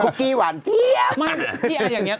คุกกี้หวั่นเทียบ